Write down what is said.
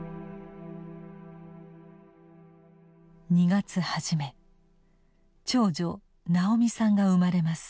２月初め長女直美さんが生まれます。